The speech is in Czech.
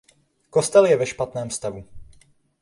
Kostel je ve špatném stavu.